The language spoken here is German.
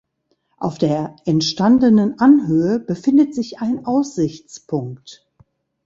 Auf der entstandenen Anhöhe befindet sich ein Aussichtspunkt.